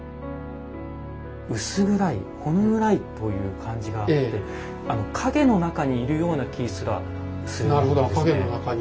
薄暗いほの暗いという感じがあって陰の中にいるような気すらするようですね。